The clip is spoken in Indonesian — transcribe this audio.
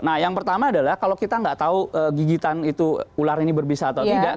nah yang pertama adalah kalau kita nggak tahu gigitan itu ular ini berbisa atau tidak